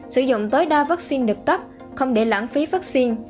sử dụng tối đa vắc xin được cấp không để lãng phí vắc xin